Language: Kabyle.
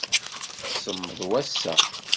Semmeḍ wass-a.